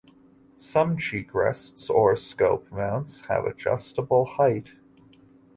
Some cheek rests or scope mounts have adjustable height.